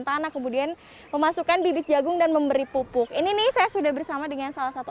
tanah kemudian memasukkan bibit jagung dan memberi pupuk ini nih saya sudah bersama dengan salah satu